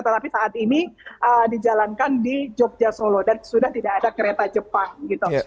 tetapi saat ini dijalankan di jogja solo dan sudah tidak ada kereta jepang gitu